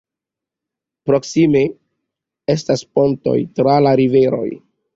Proksime estas pontoj tra la riveroj.